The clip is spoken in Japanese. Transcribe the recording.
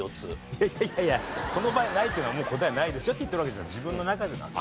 いやいやいやいやこの場合の「ない」っていうのはもう答えがないですよって言ってるわけじゃなくて自分の中でなんで。